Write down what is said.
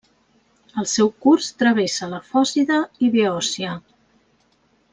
El seu curs travessa la Fòcida i Beòcia.